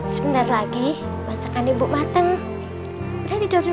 sebentar lagi masakan ibu mateng udah tidur dulu ya